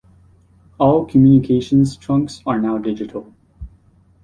All communications trunks are now digital.